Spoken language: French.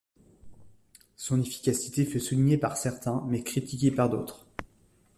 Son efficacité fut soulignée par certains mais critiquée par d'autres.